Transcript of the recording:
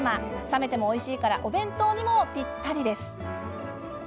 冷めてもおいしいからお弁当にも、ぴったりです。